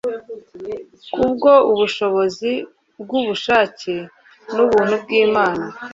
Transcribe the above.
Kubwo Ubushobozi bwUbushake nUbuntu bwImana